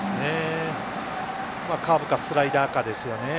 カーブかスライダーかです。